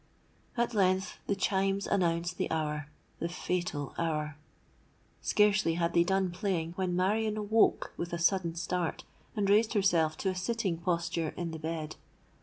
"At length the chimes announced the hour—the fatal hour! Scarcely had they done playing, when Marion awoke with a sudden start, and raised herself to a sitting posture in the bed.